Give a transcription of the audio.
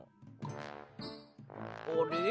あれ？